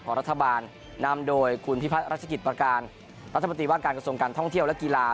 ของรัฐบาลนำโดยคุณพิพัฒนรัชกิจประการรัฐมนตรีว่าการกระทรวงการท่องเที่ยวและกีฬา